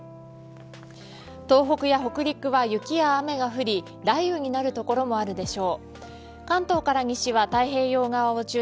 東北や北陸は雪や雨が降り雷雨になる所もあるでしょう。